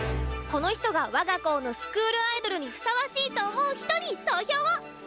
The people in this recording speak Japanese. この人が我が校のスクールアイドルにふさわしいと思う人に投票を！